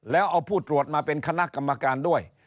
แล้วเอาผู้ตรวจมาเป็นคณะกรรมการด้วย